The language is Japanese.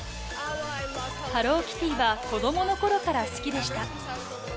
ハローキティは子どものころから好きでした。